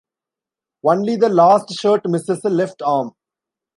Only the last shirt misses a left arm.